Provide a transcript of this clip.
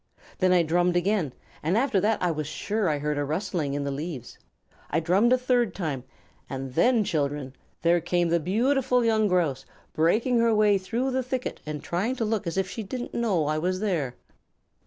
Then I drummed again, and after that I was sure that I heard a rustling in the leaves. I drummed a third time, and then, children, there came the beautiful young Grouse, breaking her way through the thicket and trying to look as though she didn't know that I was there."